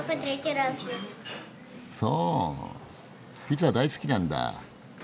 ピザ大好きなんだ。